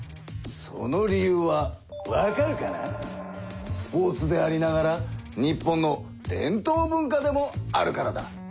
その理由はスポーツでありながら日本の伝統文化でもあるからだ。